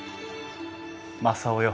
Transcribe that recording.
正雄よ